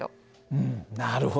うんなるほど。